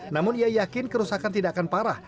namun ia yakin kerusakan tidak akan parah